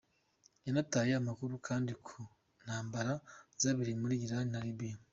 Yanataye amakuru kandi ku ntambara zabereye muri Iran na Libya.